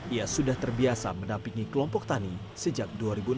ia sudah terbiasa mendampingi kelompok tani sejak dua ribu enam belas